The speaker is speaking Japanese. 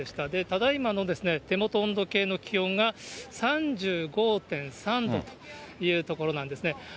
ただ今の手元の温度計の気温が、３５．３度というところなんですね。